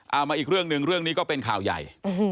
มาอีกเรื่องหนึ่งเรื่องนี้ก็เป็นข่าวใหญ่